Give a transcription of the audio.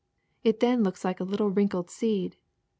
It then looks like a little wrinkled seed.